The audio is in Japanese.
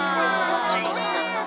ちょっとおしかったね。